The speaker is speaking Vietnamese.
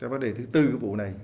vấn đề thứ tư của vụ này